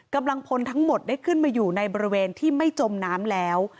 กำลังพลทั้งหมดได้ขึ้นมาอยู่ในบริเวณที่ไม่จมน้ำแล้ว